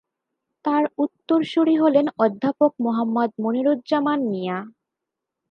তার উত্তরসূরী হলেন অধ্যাপক মোহাম্মদ মনিরুজ্জামান মিঞা।